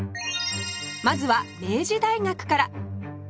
まずは明治大学から